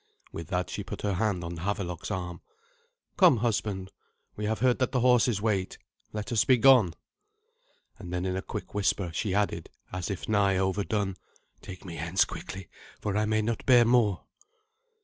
With that she put her hand on Havelok's arm. "Come, husband; we have heard that the horses wait. Let us be gone." And then in a quick whisper she added, as if nigh overdone, "Take me hence quickly, for I may not bear more."